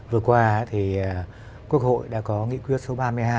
vừa qua thì quốc hội đã có nghị quyết số ba mươi hai